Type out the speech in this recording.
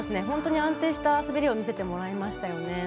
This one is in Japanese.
本当に安定した滑りを見せてもらいましたね。